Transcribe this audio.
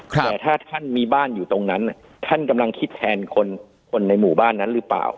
แต่ถ้าท่านมีบ้านอยู่ตรงนั้นท่านกำลังคิดแทนคนในหมู่บ้านนั้นหรือเปล่า